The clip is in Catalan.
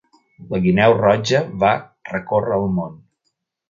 La guineu roja va recórrer el món.